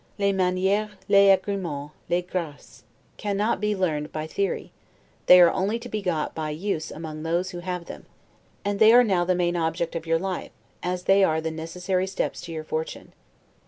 'Les manieres les agremens, les graces' cannot be learned by theory; they are only to be got by use among those who have them; and they are now the main object of your life, as they are the necessary steps to your fortune.